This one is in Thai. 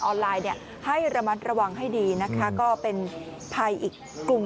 ไลน์ให้ระมัดระวังให้ดีนะคะก็เป็นภัยอีกกลุ่ม